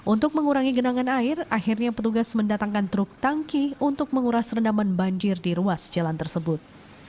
untuk mengurangi genangan air akhirnya petugas mendatangkan truk tangki untuk menguras rendaman banjir di ruas jalan tersebut